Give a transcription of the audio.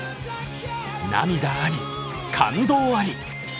涙あり、感動あり。